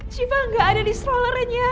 shiva gak ada di strollernya